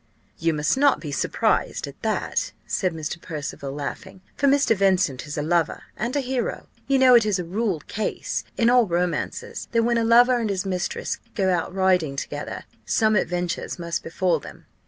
"You must not be surprised at that," said Mr. Percival, laughing; "for Mr. Vincent is a lover and a hero. You know it is a ruled case, in all romances, that when a lover and his mistress go out riding together, some adventure must befal them.